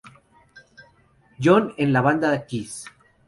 John en la banda Kiss.